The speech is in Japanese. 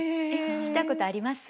したことあります？